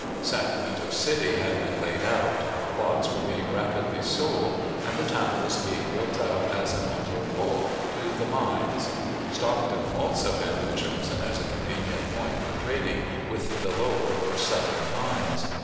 Sacramento City had been laid out, lots were being rapidly sold, and the town was being built up as an entrepot to the mines. Stockton also had been chosen as a convenient point for trading with the lower or southern mines.